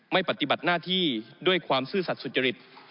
ปฏิบัติหน้าที่ด้วยความซื่อสัตว์สุจริต